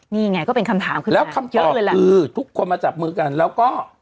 นี่ไงก็เป็นคำถามขึ้นมาแล้วมีคุณคุณมาจับมือกันแล้วก็